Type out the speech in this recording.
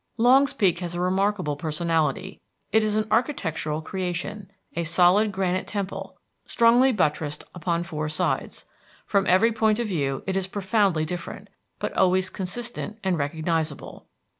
Longs Peak has a remarkable personality. It is an architectural creation, a solid granite temple, strongly buttressed upon four sides. From every point of view it is profoundly different, but always consistent and recognizable.